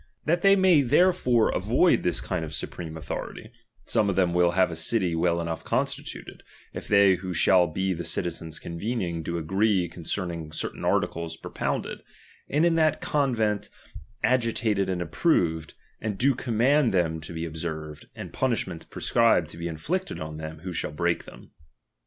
That they may therefore avoid ^^M tMs kind of supreme authority, some of them will ^^H have a city well enough constituted, if they who ^^H shall be the citizens' convening, do agree concern ^^| ing certain articles propounded, and in that con ^^M vent agitated and approved, and do command ^^M them to be observed, and punishments prescribed ^^H to be inflicted on them who shall break them.